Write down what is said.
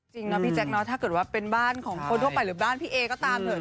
จริงนะพี่แจ๊คเนอะถ้าเกิดว่าเป็นบ้านของคนทั่วไปหรือบ้านพี่เอก็ตามเถอะ